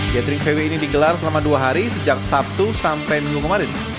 gathering vw ini digelar selama dua hari sejak sabtu sampai minggu kemarin